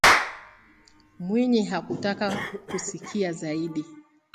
Mwinyi hakutaka kusikia zaidi